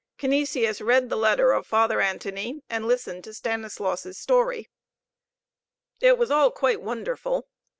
Canisius read the letter of Father Antoni, and listened to Stanislaus' story. It was all quite wonderful.